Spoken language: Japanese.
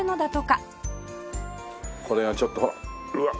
これはちょっとほらうわっ。